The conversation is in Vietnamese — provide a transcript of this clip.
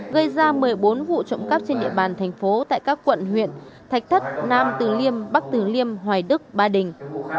gây ra một mươi bốn vụ trộm cắp trên địa bàn thành phố tại các quận huyện thạch thất nam từ liêm bắc tử liêm hoài đức ba đình